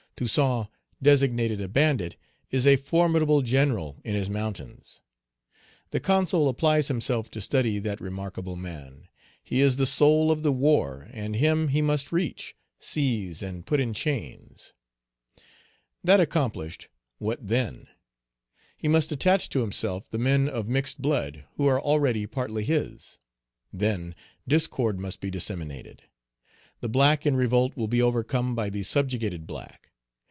Toussaint, designated a bandit, is a formidable General in his mountains. The Consul applies himself to study that remarkable man. He is the soul of the war, and him he must reach, seize, and put in chains. That accomplished, what then? He must attach to himself the men of mixed blood, who are already partly his. Then discord must be disseminated. The black in revolt will be overcome by the subjugated black.